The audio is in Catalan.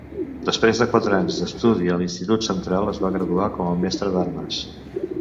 Després de quatre anys d'estudi a l'Institut Central, es va graduar com a mestre d'armes.